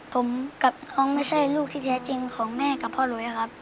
ผมกับน้องไม่ใช่ลูกที่แท้จริงของแม่กับพ่อลุยครับ